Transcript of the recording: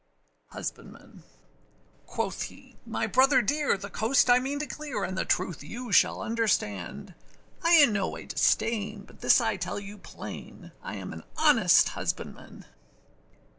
HUSBANDMAN. Quoth he, my brother dear, the coast I mean to clear, And the truth you shall understand: I do no one disdain, but this I tell you plain, I am an honest husbandman.